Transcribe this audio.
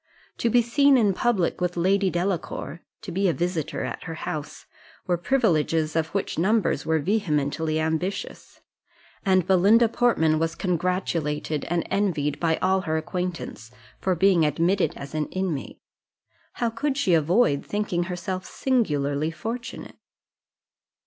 To be seen in public with Lady Delacour, to be a visitor at her house, were privileges of which numbers were vehemently ambitious; and Belinda Portman was congratulated and envied by all her acquaintance, for being admitted as an inmate. How could she avoid thinking herself singularly fortunate?